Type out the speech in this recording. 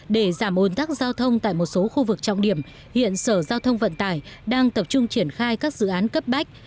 để giảm ồn tắc giao thông tại một số khu vực trọng điểm hiện sở giao thông vận tải đang tập trung triển khai các dự án cấp bách